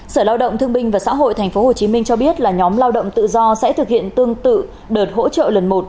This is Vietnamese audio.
sở lao động thương binh và xã hội tp hcm cho biết là nhóm lao động tự do sẽ thực hiện tương tự đợt hỗ trợ lần một